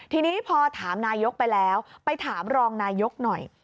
ทีนี้พอถามนายกไปแล้วไปถามรองนายกหน่อย